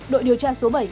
đội điều tra số bảy